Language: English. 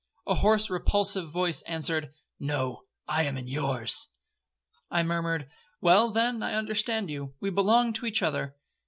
A hoarse repulsive voice answered, 'No, I am in yours.' I murmured, 'Well, then, I understand you, we belong to each other.'